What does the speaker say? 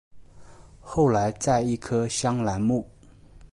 后来在一棵香兰木。